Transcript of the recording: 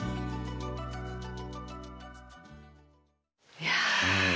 いや。